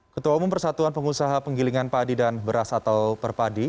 ketua umum persatuan pengusaha penggilingan padi dan beras atau perpadi